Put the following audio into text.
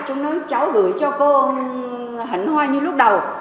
chúng nói cháu gửi cho cô hẳn hoa như lúc đầu